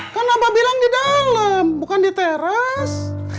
kan abang bilang di dalam bukan di teras